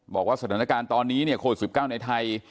บอกว่าสถานการณ์ตอนนี้โควิด๑๙ในไทย